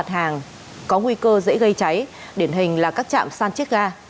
mặt hàng có nguy cơ dễ gây cháy điển hình là các trạm san chiết ga